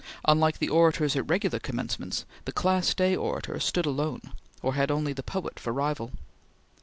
Unlike the Orators at regular Commencements, the Class Day Orator stood alone, or had only the Poet for rival.